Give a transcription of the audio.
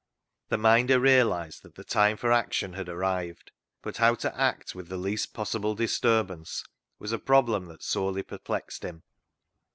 The Minder realised that the time for action had arrived, but how to act with the least possible disturbance was a problem that sorely perplexed him.